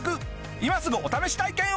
今すぐお試し体験を！